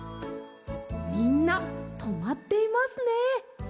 みんなとまっていますね。